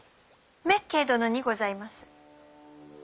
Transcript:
滅敬殿にございます。